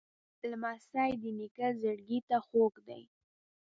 لمسی د نیکه زړګي ته خوږ دی.